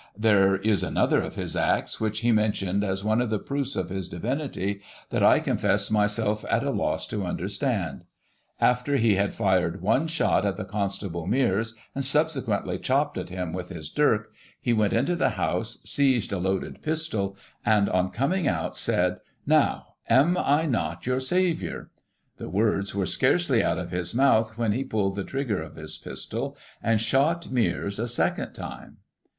There is another of his acts, which he mentioned as one of the proofs of his Divinity, that I confess myself at a loss to tmderstand. After he had fired one shot at the constable, Mears, and subsequently chopped at him with his dirk, he went into the house, seized a loaded pistol, and on coming out, said: 'Now, am I not your Saviour? ' The words were scarcely out of his mouth, when he pulled the trigger of his pistol, and shot Mears a second time."